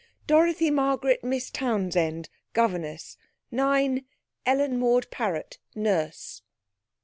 Dorothy Margaret Miss Townsend governess 9. Ellen Maud Parrot nurse.'